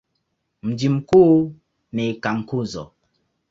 Mji mkuu ni Cankuzo.